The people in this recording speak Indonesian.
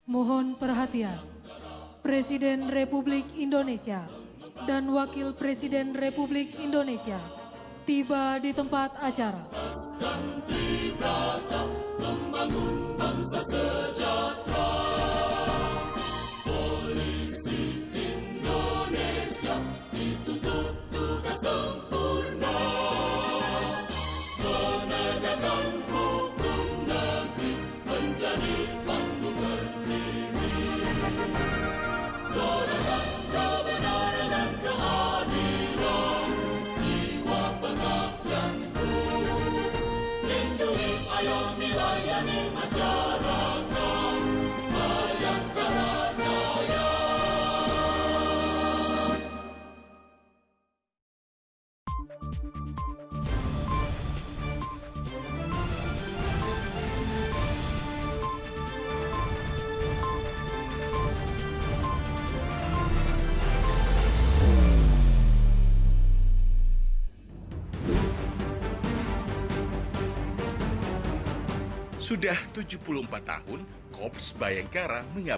mohon perhatian presiden republik indonesia dan wakil presiden republik indonesia tiba di tempat acara